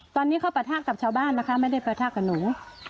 ตอนนี้เขาปะทะกับชาวบ้านนะคะไม่ได้ปะทะกับหนู